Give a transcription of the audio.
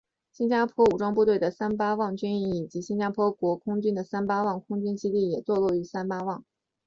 新加坡武装部队的三巴旺军营以及新加坡国空军的三巴旺空军基地也坐落与三吧旺。